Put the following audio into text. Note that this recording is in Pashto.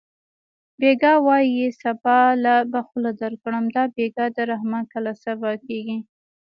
بېګا وایې سبا له به خوله درکړم دا بېګا د رحمان کله سبا کېږي